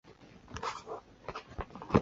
该物种的模式产地在琉球群岛。